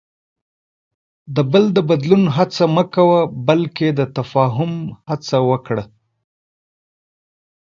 د بل د بدلون هڅه مه کوه، بلکې د تفاهم هڅه وکړه.